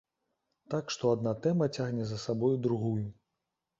Так што адна тэма цягне за сабою другую.